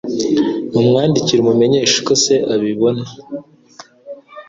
Mumwandikire umenyeshe uko se abibona.